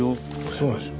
そうなんですよ。